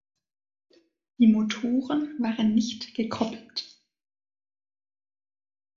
Die Motoren waren nicht gekoppelt.